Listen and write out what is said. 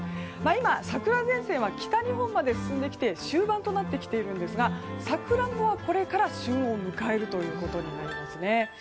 今、桜前線は北日本まで進んできて終盤となってきているんですがサクランボはこれから旬を迎えることになりますね。